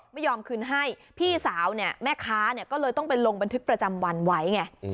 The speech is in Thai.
ไม่ยอมคืนให้พี่สาวเนี่ยแม่ค้าเนี่ยก็เลยต้องไปลงบันทึกประจำวันไว้ไง